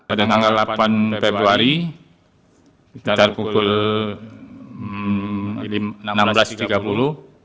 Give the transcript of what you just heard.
pada tanggal delapan februari sekitar pukul enam belas tiga puluh